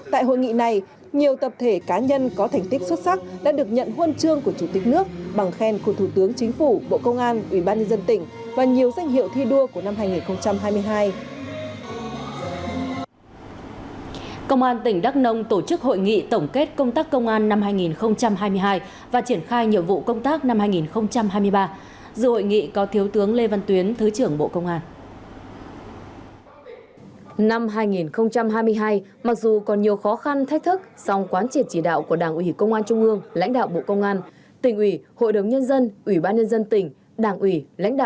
tại hội nghị này nhiều tập thể cá nhân có thành tích xuất sắc đã được nhận huân chương của chủ tịch nước bằng khen của thủ tướng chính phủ bộ công an ủy ban nhân dân tỉnh và nhiều danh hiệu thi đua của năm hai nghìn hai mươi hai